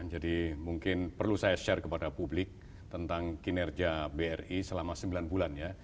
jadi mungkin perlu saya share kepada publik tentang kinerja bri selama sembilan bulan ya